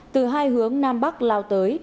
từ hai hướng nam bắc lao tới